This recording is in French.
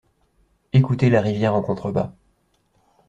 Écouter la rivière en contrebas.